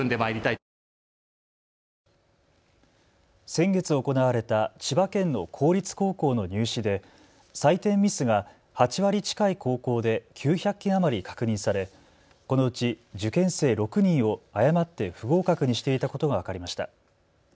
先月行われた千葉県の公立高校の入試で採点ミスが８割近い高校で９００件余り確認されこのうち受験生６人を誤って不合格にしていたことが分かりました。